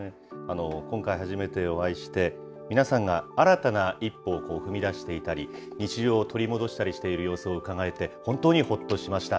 今回初めてお会いして、皆さんが新たな一歩を踏み出していたり、日常を取り戻したりしている様子をうかがえて、本当にほっとしました。